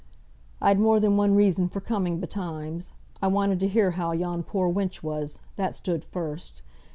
"I'd more than one reason for coming betimes. I wanted to hear how yon poor wench was; that stood first.